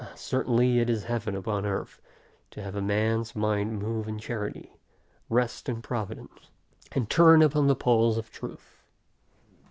Certainly, it is heaven upon earth, to have a man's mind move in charity, rest in providence, and turn upon the poles of truth.